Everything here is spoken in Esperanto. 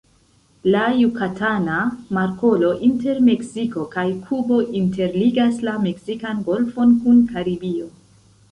La Jukatana Markolo inter Meksiko kaj Kubo interligas la Meksikan Golfon kun Karibio.